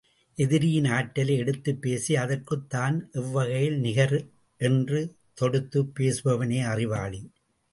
எதிரியின் ஆற்றலை எடுத்துப் பேசி அதற்குத் தான் எவ்வகையில் நிகர் என்று தொடுத்துப் பேசுபவனே அறிவாளி.